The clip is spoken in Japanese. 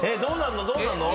どうなんの？